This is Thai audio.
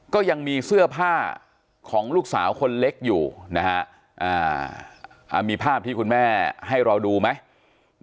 ก็ยังมีเสื้อผ้าของลูกสาวคนเล็กอยู่นะฮะมีภาพที่คุณแม่ให้เราดูไหม